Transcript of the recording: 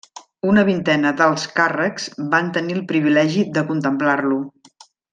Una vintena d'alts càrrecs van tenir el privilegi de contemplar-lo.